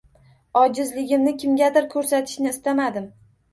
Ojizligimni kimgadir ko‘rsatishni istamadim.